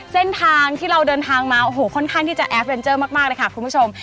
เส้นทางที่เราเดินทางมาโอ้โหค่อนข้างที่จะแอฟเรนเจอร์มากเลยค่ะคุณผู้ชม